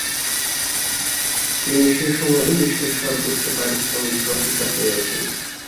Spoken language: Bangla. তিনি সেসময়ে বিশ্বের সর্বোচ্চ পারিশ্রমিক গ্রহীতা হয়ে ওঠেন।